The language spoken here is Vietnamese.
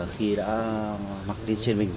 khi đã mặc lên trên mình